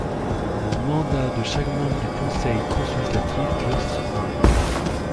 Le mandat de chaque membre du Conseil consultatif dure six ans.